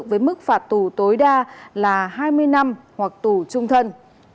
với mức phạt tù tối đa là hai mươi năm hoặc tù trung thân